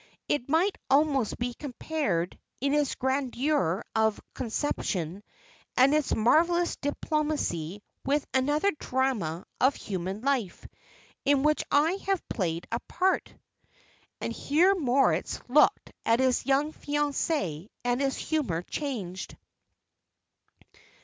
It might almost be compared, in its grandeur of conception, and its marvellous diplomacy, with another drama of human life, in which I have played a part." And here Moritz looked at his young fiancée, and his humour changed.